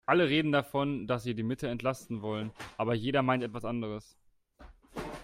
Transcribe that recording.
Alle reden davon, dass sie die Mitte entlasten wollen, aber jeder meint etwas anderes.